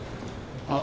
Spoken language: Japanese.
あっ。